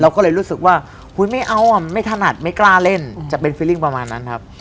ก็เลยรู้สึกว่าอุ๊ยไม่เอาอ่ะไม่ถนัดไม่กล้าเล่นจะเป็นฟิลิงประมาณนั้นครับ